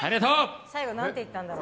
最後、何て言ったんだろう？